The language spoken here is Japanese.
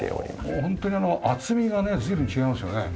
もう本当にあの厚みがね随分違いますよね。